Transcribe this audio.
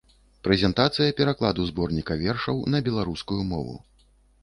Прэзентацыя перакладу зборніка вершаў на беларускую мову.